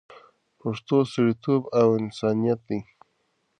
پښتو سړیتوب او انسانیت دی